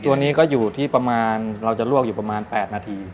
ตัวนี้ก็อยู่ที่ประมาณเราจะลวกอยู่ประมาณ๘นาที